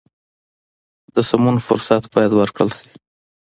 د سمون فرصت باید ورکړل شي.